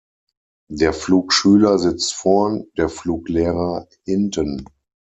Der Flugschüler sitzt vorn, der Fluglehrer hinten.